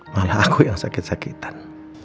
mana aku yang sakit sakitan